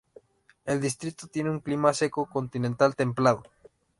El distrito tiene un clima seco continental templado.